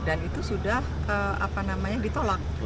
dan itu sudah apa namanya ditolak